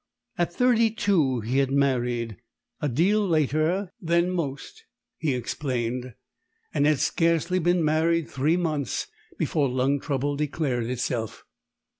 At thirty two he had married. "A deal later than most," he explained and had scarcely been married three months before lung trouble declared itself.